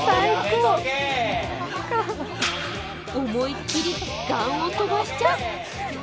思いっきりガンを飛ばしちゃう！